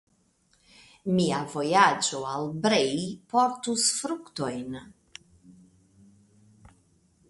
Mia vojaĝo al Brej portus fruktojn.